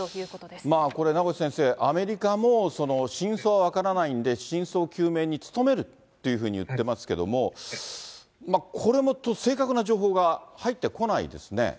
まあ、これ名越先生、アメリカも真相は分からないんで、真相究明に努めるっていうふうに言ってますけど、これも正確な情報が入ってこないですね。